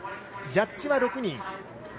ジャッジは６人。